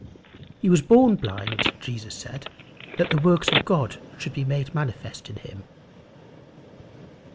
He was born blind, Jesus said, "that the works of God should be made manifest in him."